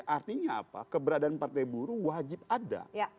artinya apa keberadaan partai buruh wajib ada